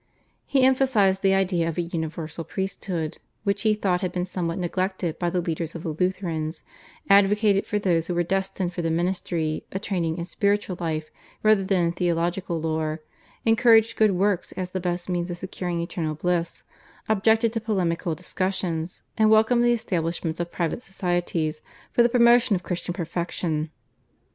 He emphasised the idea of a universal priesthood, which he thought had been somewhat neglected by the leaders of the Lutherans, advocated for those who were destined for the ministry a training in spiritual life rather than in theological lore, encouraged good works as the best means of securing eternal bliss, objected to polemical discussions, and welcomed the establishments of private societies for the promotion of Christian perfection.